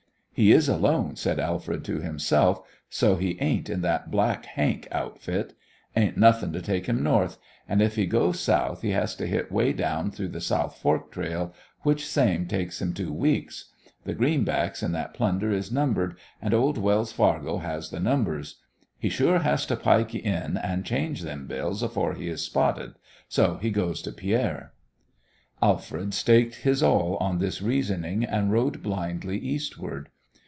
"He is alone," said Alfred to himself, "so he ain't in that Black Hank outfit. Ain't nothin' to take him north, an' if he goes south he has to hit way down through the South Fork trail, which same takes him two weeks. Th' greenbacks in that plunder is numbered, and old Wells Fargo has th' numbers. He sure has to pike in an' change them bills afore he is spotted. So he goes to Pierre." Alfred staked his all on this reasoning and rode blindly eastward.